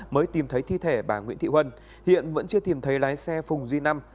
mới tìm thấy thi thể bà nguyễn thị huân hiện vẫn chưa tìm thấy lái xe phùng duy năm